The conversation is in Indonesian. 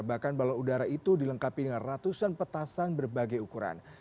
bahkan balon udara itu dilengkapi dengan ratusan petasan berbagai ukuran